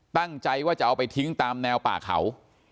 ตั้งใจว่าจะเอาไปทิ้งตามแนวป่าเขา